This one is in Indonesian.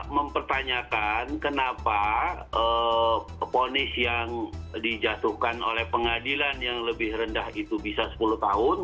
mempertanyakan kenapa ponis yang dijatuhkan oleh pengadilan yang lebih rendah itu bisa sepuluh tahun